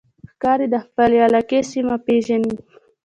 ښکاري د خپلې علاقې سیمه پېژني.